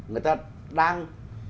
người ta đang